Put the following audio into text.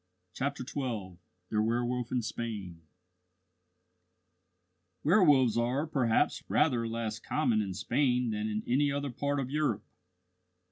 CHAPTER XII THE WERWOLF IN SPAIN Werwolves are, perhaps, rather less common in Spain than in any other part of Europe.